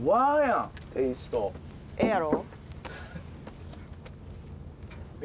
ええやろ？